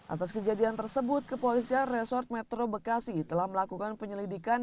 atas kejadian tersebut kepolisian resort metro bekasi telah melakukan penyelidikan